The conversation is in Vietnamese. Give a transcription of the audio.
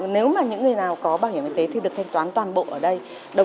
nếu mà những người nào có bảo hiểm y tế thì được thanh toán toàn bộ ở đây